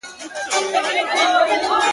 په زړه سخت ظالمه یاره سلامي ولاړه ومه!.